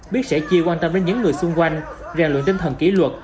biết sẻ chia quan tâm đến những người xung quanh rèn luyện tinh thần kỹ luật